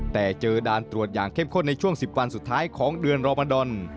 แต่เจอด่านตรวจอย่างเข้มข้นในช่วง๑๐วันสุดท้ายของเดือนรอมาดอน